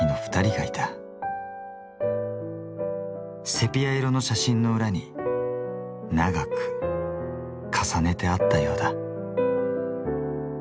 セピア色の写真の裏に長く重ねてあったようだ。